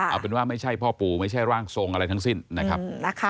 เอาเป็นว่าไม่ใช่พ่อปู่ไม่ใช่ร่างทรงอะไรทั้งสิ้นนะครับ